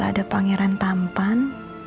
ada pangeran tampan